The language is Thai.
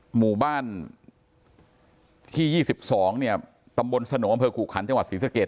หมู่บ้านที่ยี่สิบสองเนี่ยตำบลสนขู่ขันจังหวัดศรีสเกษตร์